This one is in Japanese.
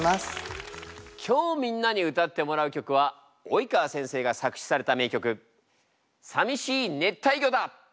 今日みんなに歌ってもらう曲は及川先生が作詞された名曲「淋しい熱帯魚」だ。